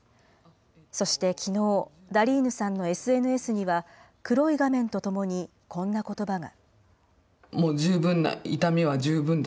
そしてきのう、ダリーヌさんのＳＮＳには、黒い画面とともに、こんなことばが。